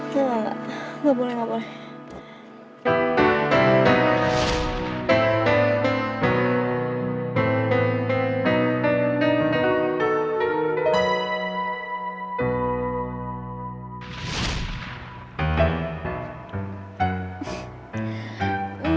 gak boleh gak boleh gak boleh